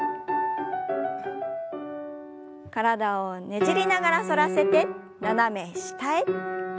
体をねじりながら反らせて斜め下へ。